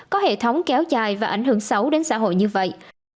có hệ thống kéo dài và ảnh hưởng xấu đến xã hội như vậy